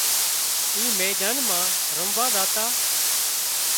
اي ميدان مان رموا زاتان